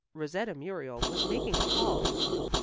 Rosetta Muriel was making a call.